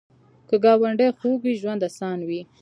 که ګاونډي خوږ وي، ژوند اسان وي